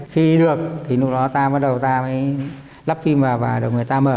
khi được thì lúc đó ta bắt đầu ta mới lắp phim vào và người ta mở